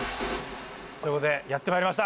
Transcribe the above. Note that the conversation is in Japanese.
ということでやってまいりました